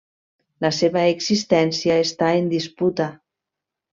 La seva existència està en disputa.